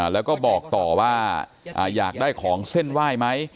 แล้วก็บอกต่อว่าอยากได้ของเส้นไหว้ไหม